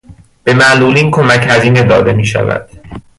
به معلولین کمک هزینه داده میشود.